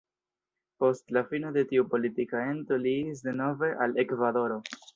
Post la fino de tiu politika ento li iris denove al Ekvadoro.